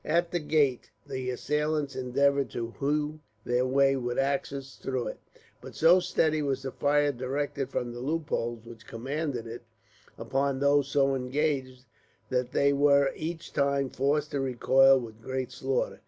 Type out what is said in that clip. At the gate the assailants endeavoured to hew their way, with axes, through it; but so steady was the fire directed, from the loopholes which commanded it, upon those so engaged, that they were, each time, forced to recoil with great slaughter.